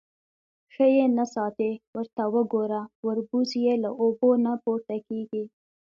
_ښه يې نه ساتې. ورته وګوره، وربوز يې له اوبو نه پورته کېږي.